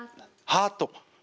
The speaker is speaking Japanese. ハート。